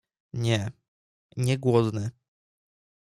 Nie, nie głodny.